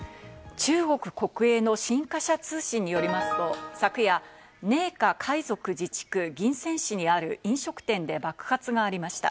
中国国営の新華社通信によりますと昨夜、寧夏回族自治区・銀川市にある飲食店で爆発がありました。